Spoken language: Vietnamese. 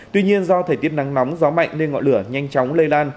tuy nhiên do thời tiết nắng nóng gió mạnh nên ngọn lửa nhanh chóng lây lan